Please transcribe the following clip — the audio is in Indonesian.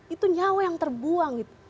itu nyawa yang terbuang